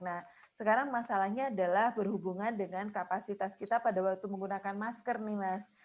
nah sekarang masalahnya adalah berhubungan dengan kapasitas kita pada waktu menggunakan masker nih mas